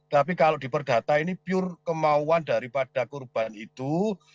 tapi kalau diperdata ini pure kemauan daripada korban itu